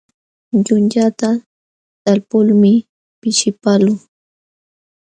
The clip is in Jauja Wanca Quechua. Yunyata talpulmi pishipaqluu.